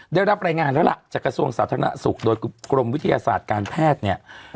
ได้รับรายงานแล้วล่ะจากกระทรวงสาธารณสุขโดยกรมวิทยาศาสตร์การแพทย์เนี่ย